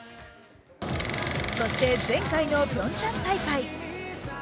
そして前回のピョンチャン大会。